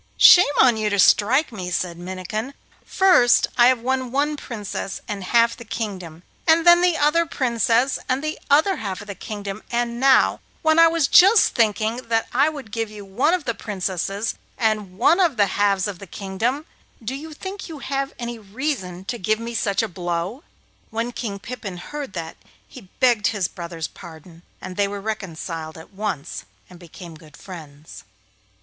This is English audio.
'Shame on you to strike me!' said Minnikin. 'First have I won one Princess and half the kingdom, and then the other Princess and the other half of the kingdom; and now, when I was just thinking that I would give you one of the Princesses and one of the halves of the kingdom, do you think you have any reason to give me such a blow?' When King Pippin heard that he begged his brother's pardon, and they were reconciled at once and became good friends.